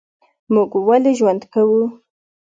موږ ولي ژوند کوو؟